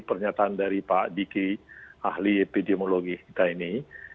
pernyataan dari pak diki ahli epidemiologi kita ini